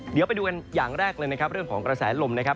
เดี๋ยวไปดูกันอย่างแรกเลยนะครับเรื่องของกระแสลมนะครับ